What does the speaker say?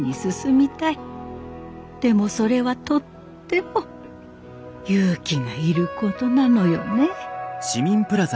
でもそれはとっても勇気がいることなのよね。